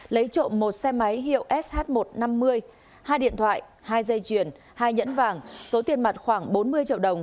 lấy trộm một xe máy hiệu sh một trăm năm mươi hai điện thoại hai dây chuyền hai nhẫn vàng số tiền mặt khoảng bốn mươi triệu đồng